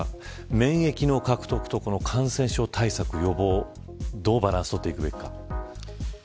免疫の獲得と感染症対策、予防どうバランスを取るべきか。